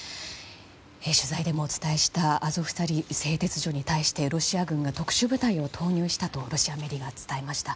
取材でもお伝えしたアゾフスタリ製鉄所に対してロシア軍が特殊部隊を投入したとロシアメディアが伝えました。